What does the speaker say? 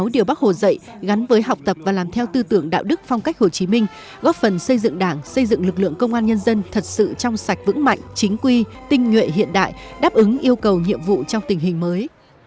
sáu điều bác hồ dạy gắn với học tập và làm theo tư tưởng đạo đức phong cách hồ chí minh góp phần xây dựng đảng xây dựng lực lượng công an nhân dân thật sự trong sạch vững mạnh chính quy tinh nhuệ hiện đại đáp ứng yêu cầu nhiệm vụ trong tình hình mới